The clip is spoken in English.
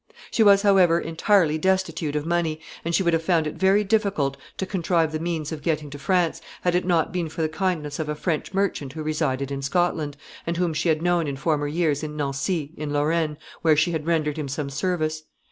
] She was, however, entirely destitute of money, and she would have found it very difficult to contrive the means of getting to France, had it not been for the kindness of a French merchant who resided in Scotland, and whom she had known in former years in Nancy, in Lorraine, where she had rendered him some service.